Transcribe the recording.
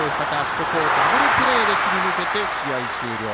ここをダブルプレーで切り抜けて試合終了。